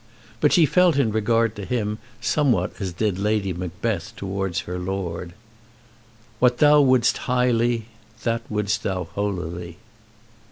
But she felt in regard to him somewhat as did Lady Macbeth towards her lord. "What thou would'st highly, That would'st thou holily."